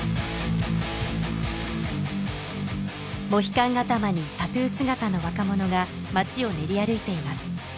モヒカン頭にタトゥー姿の若者が街を練り歩いています